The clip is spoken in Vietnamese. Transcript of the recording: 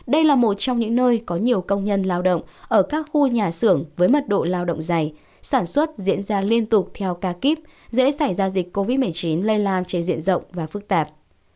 đây là một trong những nơi có nhiều công nhân lao động ở các khu nhà xưởng với mật độ lao động dày sản xuất diễn ra liên tục theo ca kíp dễ xảy ra dịch covid một mươi chín lây lan trên diện rộng và phức tạp